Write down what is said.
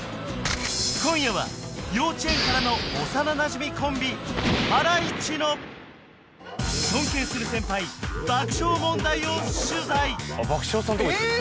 今夜は幼稚園からの幼なじみコンビハライチの尊敬する先輩爆笑問題を取材爆笑さんのとこ行ってるえ！